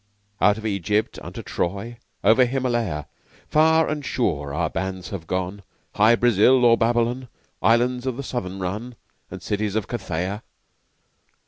Out of Egypt unto Troy Over Himalaya Far and sure our bands have gone Hy Brasil or Babylon, Islands of the Southern Run, And cities of Cathaia!